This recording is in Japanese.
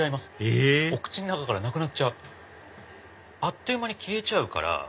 へぇお口の中からなくなっちゃうあっという間に消えちゃうから。